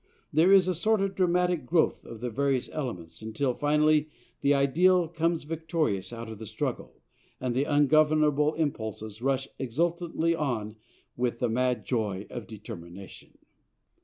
There is a sort of dramatic growth of the various elements, until finally the ideal comes victorious out of the struggle, and the ungovernable impulse rushes exultantly on with the mad joy of determination."